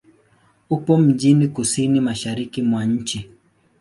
Upo mjini kusini-mashariki mwa nchi.